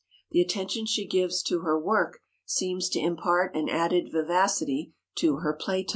The attention she gives to her work seems to impart an added vivacity to her playtime.